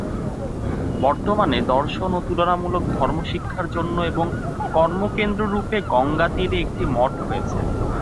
বর্তমানে দর্শন ও তুলনামূলক ধর্মশিক্ষার জন্য এবং কর্মকেন্দ্ররূপে গঙ্গাতীরে একটি মঠ হয়েছে।